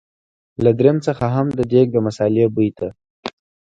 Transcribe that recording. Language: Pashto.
له دريم څخه هم د دېګ د مثالې بوی ته.